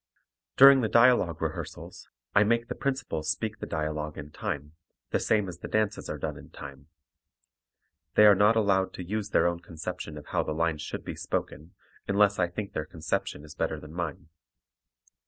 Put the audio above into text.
During the dialogue rehearsals, I make the principals speak the dialogue in time, the same as the dances are done in time. They are not allowed to use their own conception of how the lines should be spoken unless I think their conception is better than mine.